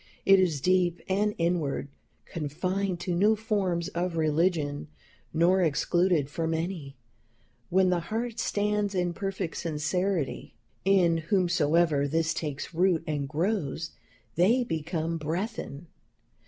It is deep and inward, confined to no forms of religion, nor excluded from any, when the heart stands in perfect sincerity. In whomsoever this takes root and grows, they become brethren.